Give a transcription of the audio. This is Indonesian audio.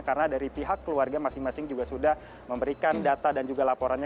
karena dari pihak keluarga masing masing juga sudah memberikan data dan juga laporannya